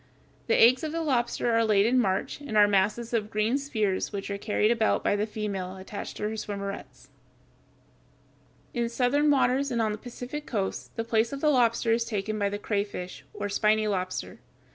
The eggs of the lobster are laid in March, and are masses of green spheres which are carried about by the female attached to her swimmerets. [Illustration: FIG. 144. Common lobster.] In southern waters and on the Pacific coast, the place of the lobster is taken by the crayfish, or spiny lobster (Fig.